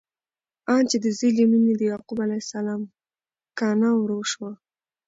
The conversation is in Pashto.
آن چې د زوی له مینې د یعقوب علیه السلام کانه وروشوه!